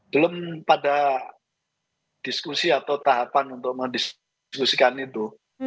belum pada diskusi atau tahapan untuk mendiskusikan itu